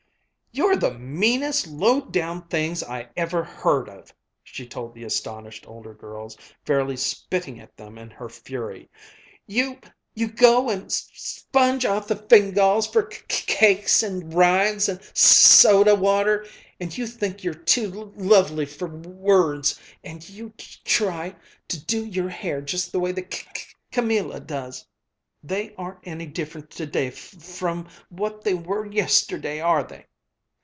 "You're the meanest low down things I ever heard of!" she told the astonished older girls, fairly spitting at them in her fury. "You you go and s sponge off the Fingáls for c c cakes and rides and s s soda water and you think they're too l l lovely for w words and you t t try to do your hair just the way C C Camilla does. They aren't any different today f f from what they were yesterday are they?